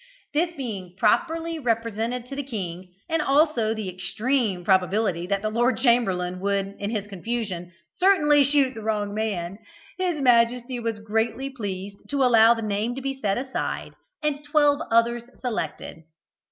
This being properly represented to the king, and also the extreme probability that the lord chamberlain would in his confusion certainly shoot the wrong man, his majesty was graciously pleased to allow the name to be set aside, and twelve others selected.